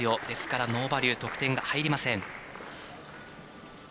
ですから、ノーバリュー得点が入りません。